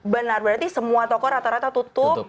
benar berarti semua toko rata rata tutup